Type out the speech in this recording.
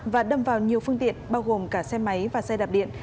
và đâm vào nhiều phương tiện bao gồm cả xe máy và xe đạp điện